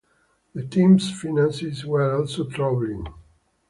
The team's finances were also troubling.